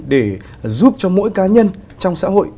để giúp cho mỗi cá nhân trong xã hội